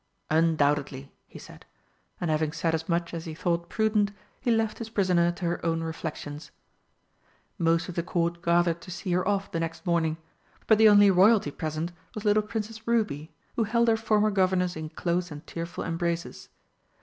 "Undoubtedly," he said, and, having said as much as he thought prudent, he left his prisoner to her own reflections. Most of the Court gathered to see her off the next morning, but the only Royalty present was little Princess Ruby, who held her former Governess in close and tearful embraces.